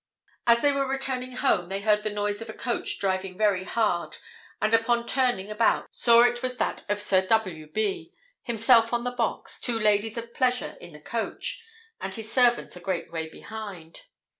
As they were returning home, they heard the noise of a coach driving very hard, and upon turning about saw it was that of Sir W B , himself on the box, two ladies of pleasure in the coach, and his servants a great way behind.